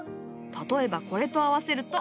例えばこれと合わせると。